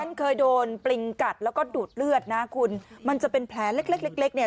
เคยโดนปริงกัดแล้วก็ดูดเลือดนะคุณมันจะเป็นแผลเล็กเล็กเล็กเนี่ย